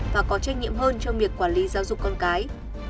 và có trách nhiệm hơn trong việc quản lý giáo dục con cái